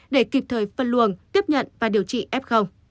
để kịp thời phân luồng tiếp nhận và điều trị f